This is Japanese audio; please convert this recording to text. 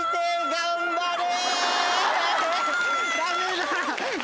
頑張れ！